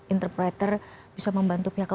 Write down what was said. interpreter bisa membantunya ke